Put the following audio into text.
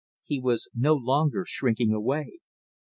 He was no longer shrinking away.